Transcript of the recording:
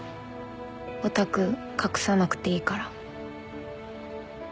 ヲタク隠さなくていいから。